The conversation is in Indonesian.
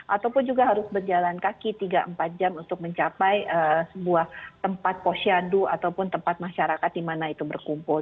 ataupun juga harus berjalan kaki tiga empat jam untuk mencapai sebuah tempat posyadu ataupun tempat masyarakat di mana itu berkumpul